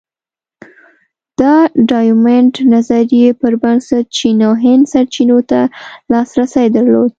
د ډایمونډ نظریې پر بنسټ چین او هند سرچینو ته لاسرسی درلود.